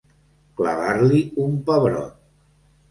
Clavar-li un pebrot.